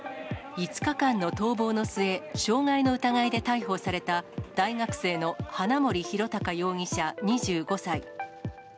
５日間の逃亡の末、傷害の疑いで逮捕された、大学生の花森弘卓容疑者２５歳。